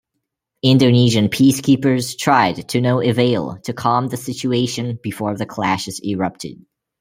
Indonesian peacekeepers tried to no avail to calm the situation before the clashes erupted.